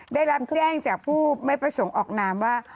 ได้รับแจ้งจากผู้ไม่ประสงค์ออกนามว่า